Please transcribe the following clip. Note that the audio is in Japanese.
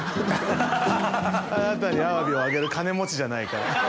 あなたにアワビをあげる金持ちじゃないから。